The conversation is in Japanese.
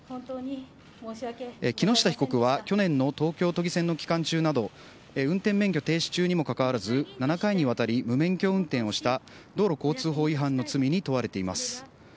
木下被告は去年の東京都議選の期間中など、運転免許停止中にもかかわらず、７回にわたり無免許運転をした、道路交通法違反の罪に問われています。